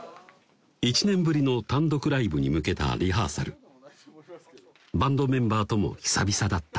１年ぶりの単独ライブに向けたリハーサルバンドメンバーとも久々だった